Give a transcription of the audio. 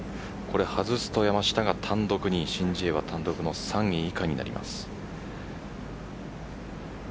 外すと山下が単独２位申ジエは単独３位以下になります。